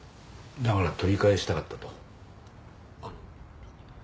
だから取り返したかったと。